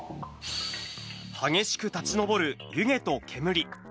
激しく立ち上る湯気と煙。